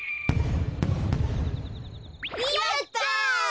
やった！